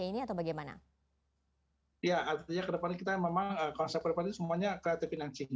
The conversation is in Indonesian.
ini atau bagaimana ya artinya kedepannya kita memang konsep perpacu semuanya kreatifinansi